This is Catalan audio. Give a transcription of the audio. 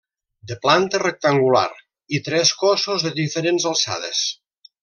De planta rectangular i tres cossos de diferents alçades.